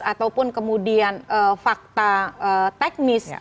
ataupun kemudian fakta teknis